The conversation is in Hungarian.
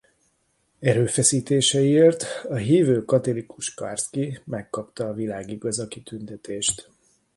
Erőfeszítéseiért a hívő katolikus Karski megkapta a Világ Igaza kitüntetést.